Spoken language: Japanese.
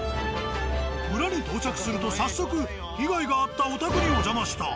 村に到着すると早速被害があったお宅にお邪魔した。